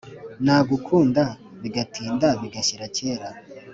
Nagukunda bigatinda bigashyira kera